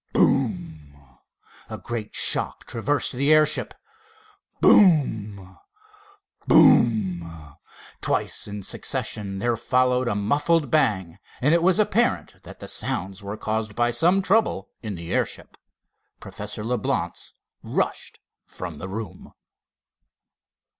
Boom! A great shock traversed the airship! Boom—boom—twice in succession there followed a muffled bang, and it was apparent that the sounds were caused by some trouble in the airship. Professor Leblance rushed from the room.